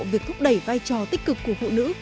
việc thúc đẩy vai trò tích cực của phụ nữ